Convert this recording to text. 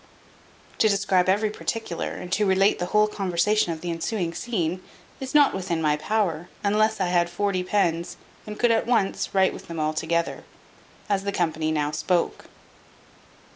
To describe every particular, and to relate the whole conversation of the ensuing scene, is not within my power, unless I had forty pens, and could, at once, write with them all together, as the company now spoke.